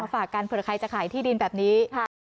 ฝากกันเผื่อใครจะขายที่ดินแบบนี้